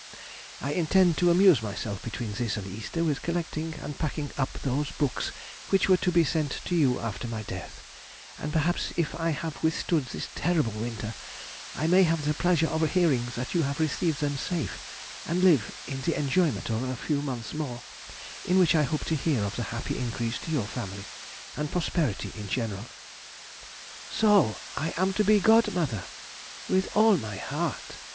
I intend to amuse myself between this and Easter with collecting and packing up those books which were to be sent to you after my death, and perhaps if I have withstood this terrible winter I may have the pleasure of hearing that you have received them safe, and live in the enjoyment of a few months more, in which I hope to hear of the happy increase to your family, and prosperity in general. So I am to be godmother! with all my heart!